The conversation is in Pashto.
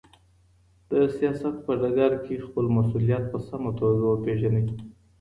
د سياست په ډګر کي خپل مسؤليت په سمه توګه وپېژنئ.